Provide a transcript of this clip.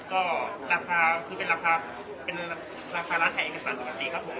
ก็ราคาคือเป็นราคาเป็นราคาร้านแข่งอังกฤษฐานตอนนี้ครับผม